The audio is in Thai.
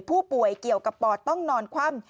ผู้ป่วยเกี่ยวกับปอดต้องนอนคว่ำ